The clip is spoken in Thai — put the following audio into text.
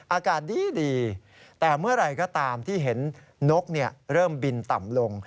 อากาศดีแต่เมื่อไหร่ก็ตามที่เห็นนกเริ่มบินต่ำลง